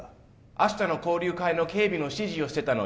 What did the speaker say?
明日の交流会の警備の指示をしてたのよ